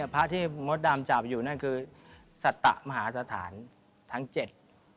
พระที่มดดำจับอยู่นั่นคือสัตมหาสถานทั้งเจ็ด